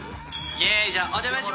イェーイじゃあお邪魔します！